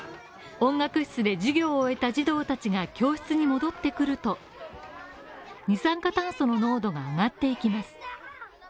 音楽室で授業を終えた児童たちが教室に戻ってくると、二酸化炭素の濃度が上がっていきます。